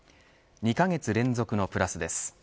２カ月連続のプラスです。